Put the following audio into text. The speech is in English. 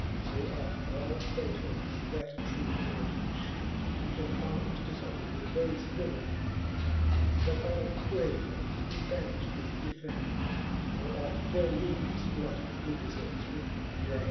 So ought all faytours, that true knighthood fhame. And armes difhonour with bale villanie, From all brave knights be banifht vvith defame : For oft their lewdnes blotteth good deierts with blame.